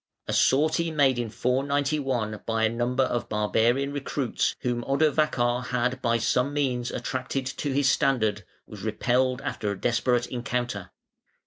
A sortie made in 491 by a number of barbarian recruits whom Odovacar had by some means attracted to his standard, was repelled after a desperate encounter.